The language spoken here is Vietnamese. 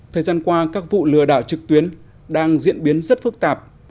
thời gian qua các vụ lừa đảo trực tuyến đang diễn biến rất phức tạp